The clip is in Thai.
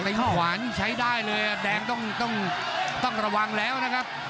ขวานี่ใช้ได้เลยแดงต้องระวังแล้วนะครับ